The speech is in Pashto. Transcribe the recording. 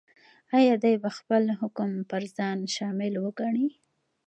ایا دی به خپل حکم پر ځان شامل وګڼي؟